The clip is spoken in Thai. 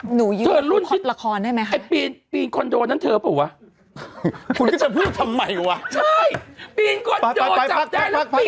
หนูยื่นพลพอตละครได้ไหมครับที่เจริญใช่ไหมครับ